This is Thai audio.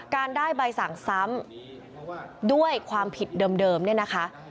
การได้ใบสั่งซ้ำด้วยความผิดเดิมเนี่ยนะคะ